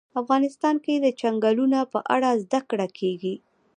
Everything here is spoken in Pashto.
افغانستان کې د چنګلونه په اړه زده کړه کېږي.